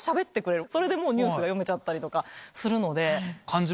それでもうニュースが読めちゃったりとかするので。